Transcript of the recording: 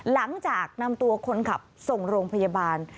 หลังจากนำตัวคนขับส่งโรงพยาบาล